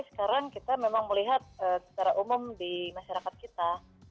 sekarang kita memang melihat secara umum di masyarakat kita